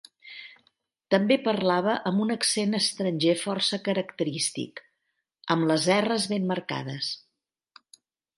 També parlava amb un accent estranger força característic, amb les erres ben marcades.